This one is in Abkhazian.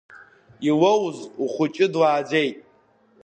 Илоуз лхәыҷы длааӡеит.